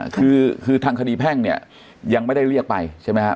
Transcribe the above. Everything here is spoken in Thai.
คือคือทางคดีแพ่งเนี่ยยังไม่ได้เรียกไปใช่ไหมฮะ